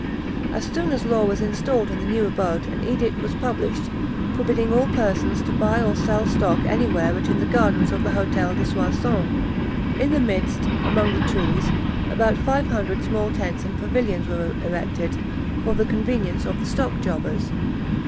As soon as Law was installed in his new abode, an edict was published, forbidding all persons to buy or sell stock any where but in the gardens of the Hôtel de Soissons. In the midst, among the trees, about five hundred small tents and pavilions were erected, for the convenience of the stock jobbers.